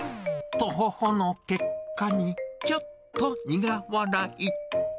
とほほの結果に、ちょっと苦笑い。